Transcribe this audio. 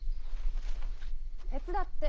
手伝って！